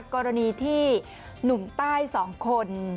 กรณีที่หนุ่มใต้๒คน